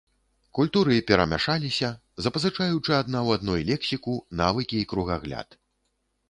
Культуры перамяшаліся, запазычаючы адна ў адной лексіку, навыкі і кругагляд.